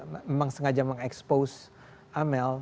memang sengaja mengekspos amel